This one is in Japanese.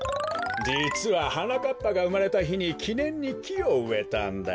じつははなかっぱがうまれたひにきねんにきをうえたんだよ。